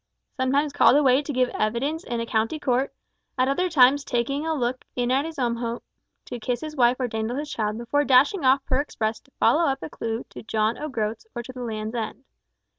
Sometimes called away to give evidence in a county court; at other times taking a look in at his own home to kiss his wife or dandle his child before dashing off per express to follow up a clue to John O'Groats or the Land's End.